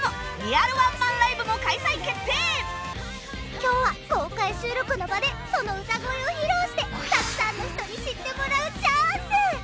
今日は公開収録の場でその歌声を披露してたくさんの人に知ってもらうチャンス！